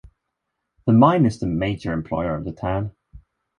The mine is the major employer of the town.